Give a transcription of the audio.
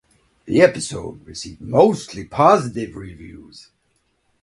The episode received mostly positive reviews.